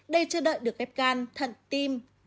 để chờ đợi được ghép gan thận tim